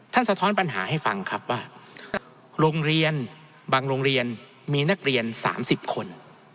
สะท้อนปัญหาให้ฟังครับว่าโรงเรียนบางโรงเรียนมีนักเรียน๓๐คน